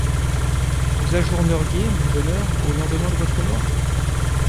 Vous ajourneriez mon bonheur au lendemain de votre mort ?